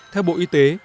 theo bộ y tế